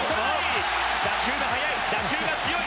打球が強い！